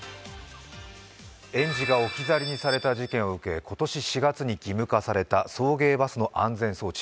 園児が置き去りにされた事件を受け今年４月に義務化された送迎バスの安全装置。